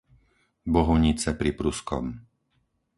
Bohunice pri Pruskom